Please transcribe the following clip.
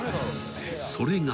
それが］